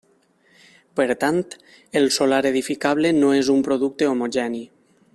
Per tant, el solar edificable no és un producte homogeni.